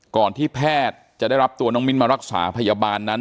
ก่อนที่แพทย์จะได้รับตัวน้องมิ้นมารักษาพยาบาลนั้น